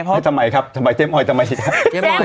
ไม่ทำไมครับทำไมเจ๊มอยด์ทำไมอีกครับ